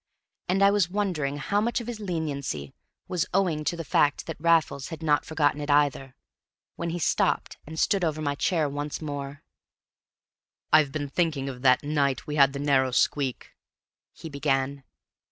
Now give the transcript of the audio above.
And I was wondering how much of his leniency was owing to the fact that Raffles had not forgotten it either, when he stopped and stood over my chair once more. "I've been thinking of that night we had the narrow squeak," he began.